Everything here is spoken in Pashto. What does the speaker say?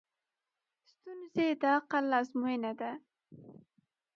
ستونزې د عقل ازموینه ده.